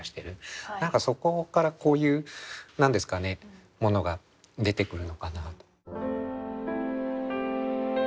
何かそこからこういう何ですかねものが出てくるのかなと。